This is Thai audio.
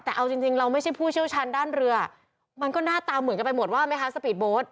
แต่เอาจริงเราไม่ใช่ผู้เชี่ยวชาญด้านเรือมันก็หน้าตาเหมือนกันไปหมดว่าไหมคะสปีดโบสต์